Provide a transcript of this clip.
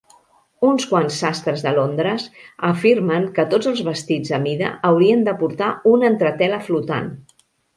Uns quants sastres de Londres afirmen que tots els vestits a mida haurien de portar una entretela flotant.